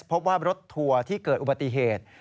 พบว่ารถทัวร์ที่เกิดอุบัติเหตุ